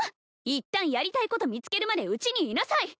一旦やりたいこと見つけるまでうちにいなさい！